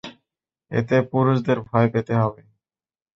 এতে পুরুষদের ভয় পেতে হবে!